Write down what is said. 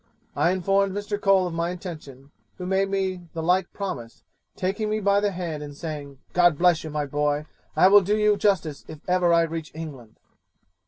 I informed Mr. Cole of my intention, who made me the like promise, taking me by the hand and saying, "God bless you, my boy; I will do you justice if ever I reach England."